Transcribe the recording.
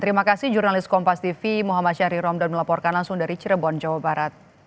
terima kasih jurnalis kompas tv muhammad syahri romdan melaporkan langsung dari cirebon jawa barat